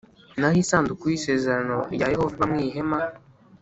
naho isanduku y isezerano rya Yehova iba mu ihema